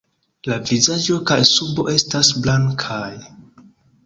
La vizaĝo kaj subo estas blankaj.